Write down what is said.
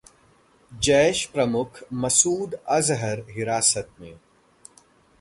जैश प्रमुख मसूद अजहर हिरासत में!